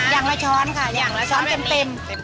อย่างละช้อนค่ะอย่างละช้อนเต็ม